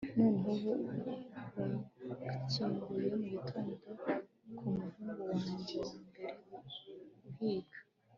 noneho ubu burakinguye mugitondo, kumuhungu wanjye wambere uhiga